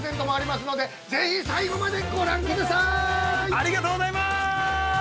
◆ありがとうございます。